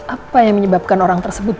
apa yang menyebabkan orang tersebut